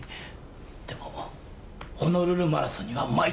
でもホノルルマラソンには毎年出てる！